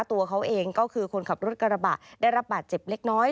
ตัวเขาเองก็คือคนขับรถกระบะได้รับบาดเจ็บเล็กน้อย